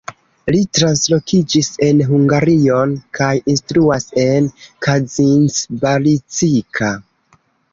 Li translokiĝis en Hungarion kaj instruas en Kazincbarcika.